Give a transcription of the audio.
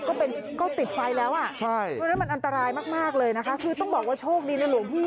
ก็ติดไฟแล้วอ่ะมันอันตรายมากเลยนะคะคือต้องบอกว่าโชคดีนะหลวงพี่